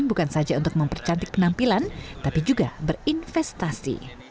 dan bukan saja untuk mempercantik penampilan tapi juga berinvestasi